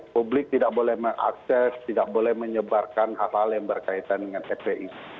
publik tidak boleh mengakses tidak boleh menyebarkan hal hal yang berkaitan dengan fpi